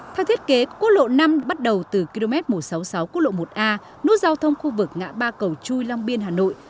theo thiết kế quốc lộ năm bắt đầu từ km một trăm sáu mươi sáu quốc lộ một a nút giao thông khu vực ngã ba cầu chui long biên hà nội